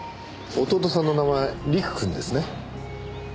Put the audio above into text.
弟さんの名前吏玖くんですね？